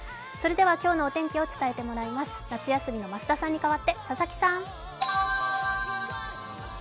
今日のお天気を伝えてもらいます、夏休みの増田さんに代わって佐々木さん。